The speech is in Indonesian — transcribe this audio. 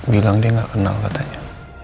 bilang dia nggak kenal katanya